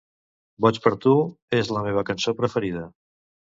"Boig per tu" és la meva cançó preferida.